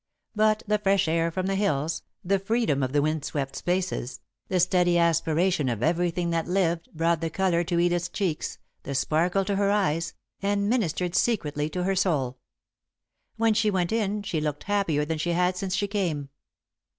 But the fresh air from the hills, the freedom of the wind swept spaces, the steady aspiration of everything that lived, brought the colour to Edith's cheeks, the sparkle to her eyes, and ministered secretly to her soul. When she went in, she looked happier than she had since she came.